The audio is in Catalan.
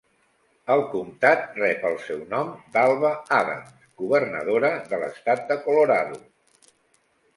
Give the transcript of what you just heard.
El comtat rep el seu nom d'Alva Adams, governadora de l'estat de Colorado.